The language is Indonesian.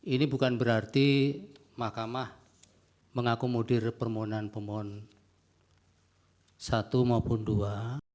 ini bukan berarti makamah mengakumudir permohonan promohon satu maupun dua